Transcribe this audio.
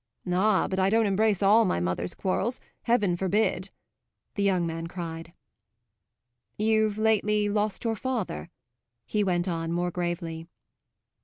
"Ah, but I don't embrace all my mother's quarrels heaven forbid!" the young man cried. "You've lately lost your father?" he went on more gravely.